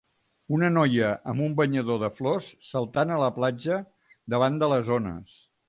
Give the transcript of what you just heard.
Una noia amb un banyador de flors saltant a la platja davant de les ones.